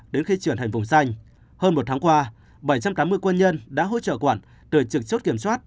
đến khi trưởng thành vùng xanh hơn một tháng qua bảy trăm tám mươi quân nhân đã hỗ trợ quận tuyển trực chốt kiểm soát